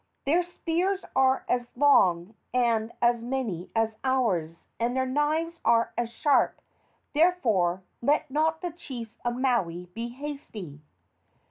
Their spears are as long and as many as ours, and their knives are as sharp; therefore let not the chiefs of Maui be hasty."